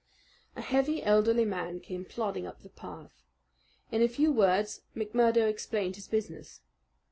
A heavy, elderly man came plodding up the path. In a few words McMurdo explained his business.